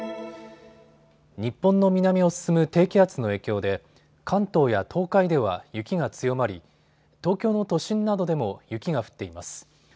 日本の南を進む低気圧の影響で関東や東海では雪が強まり、東京の都心などでも雪が降っています。